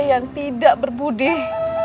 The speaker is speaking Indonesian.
yang tidak berbudih